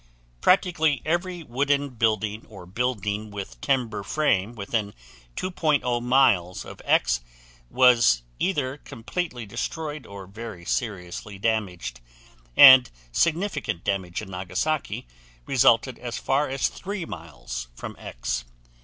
Practically every wooden building or building with timber frame within 2.0 miles of X was either completely destroyed or very seriously damaged, and significant damage in Nagasaki resulted as far as 3 miles from X.